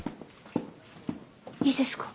いいですか？